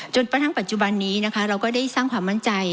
กระทั่งปัจจุบันนี้นะคะเราก็ได้สร้างความมั่นใจ